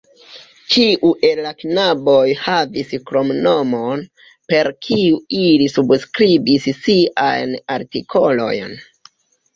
Ĉiu el la knaboj havis kromnomon, per kiu ili subskribis siajn artikolojn.